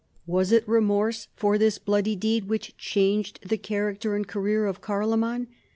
Was it remorse for this bloody deed whicli changed the character and career of Carloman?